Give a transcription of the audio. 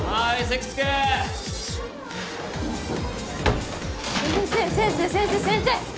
先生先生先生先生！